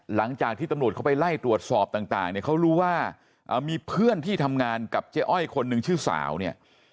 หลังจากที่ตำรวจเขาไปไล่ตรวจสอบต่างเนี่ยเขารู้ว่ามีเพื่อนที่ทำงานกับเจ๊อ้อยคนหนึ่งชื่อสาวเนี่ย